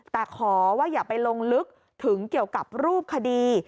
แต่ขอว่าอย่าไปลงลึกถึงเกี่ยวกับรูปคดี